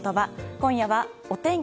今夜はお天気